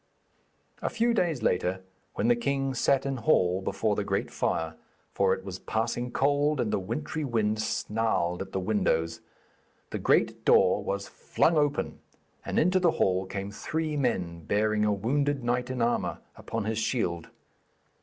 "' A few days later, when the king sat in hall before the great fire, for it was passing cold and the wintry wind snarled at the windows, the great door was flung open, and into the hall came three men bearing a wounded knight in armour upon his shield.